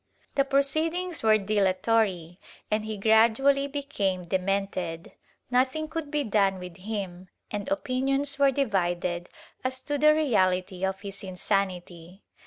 The pro ceedings were dilatory and he gradually became demented; nothing could be done with him and opinions were divided as to the reality of his insanity.